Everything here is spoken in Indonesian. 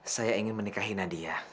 saya ingin menikahi nadia